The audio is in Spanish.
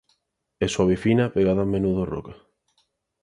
Es suave y fina, pegada a menudo a las rocas.